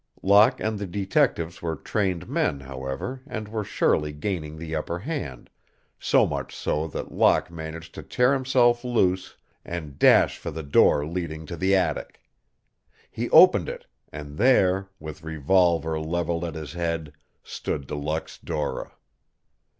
Locke and the detectives were trained men, however, and were surely gaining the upper hand, so much so that Locke managed to tear himself loose and dash for the door leading to the attic. He opened it, and there, with revolver leveled at his head, stood De Luxe Dora.